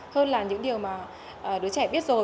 hơn là những điều mà đứa trẻ biết rồi